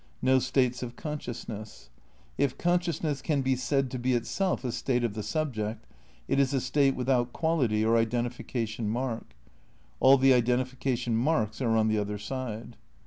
No states of consciousness. If consciousness can be said to be itself a state of the subject, it is a state without quality or identification mark. All the identification marks are on the other side.